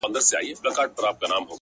غواړم چي ديدن د ښكلو وكړمـــه،